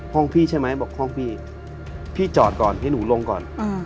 พี่ใช่ไหมบอกห้องพี่พี่จอดก่อนให้หนูลงก่อน